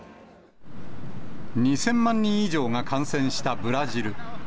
２０００万人以上が感染したブラジル。